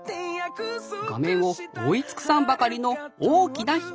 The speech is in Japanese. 画面を覆い尽くさんばかりの大きな光！